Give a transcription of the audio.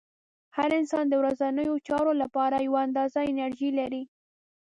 هر انسان د ورځنیو چارو لپاره یوه اندازه انرژي لري.